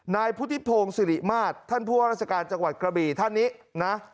นายพุทธิพงศ์สิริมาตรท่านผู้ว่าราชการจังหวัดกระบี่ท่านนี้นะ